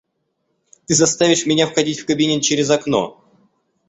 Ты заставишь меня входить в кабинет через окно.